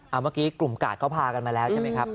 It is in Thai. เมื่อกี้กลุ่มกาดเขาพากันมาแล้วใช่ไหมครับ